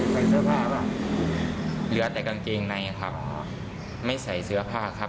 ใส่เสื้อผ้าป่ะเหลือแต่กางเกงในครับไม่ใส่เสื้อผ้าครับ